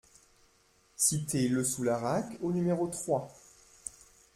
Cité le Soularac au numéro trois